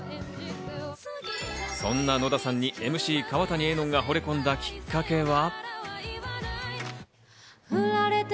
そんな野田さんにＭＣ・川谷絵音が惚れ込んだきっかけは。